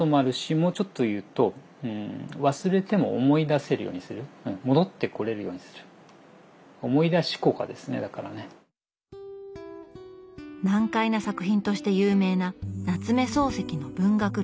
もうちょっと言うと忘れても思い出せるようにする戻ってこれるようにする難解な作品として有名な夏目漱石の「文学論」。